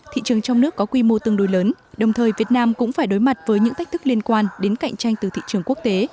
thị trường trong nước có quy mô tương đối lớn đồng thời việt nam cũng phải đối mặt với những thách thức liên quan đến cạnh tranh từ thị trường quốc tế